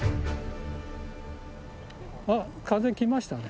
あっ風来ましたね。